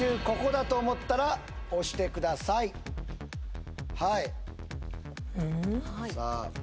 ここだと思ったら押してくださいはい・えさあＡ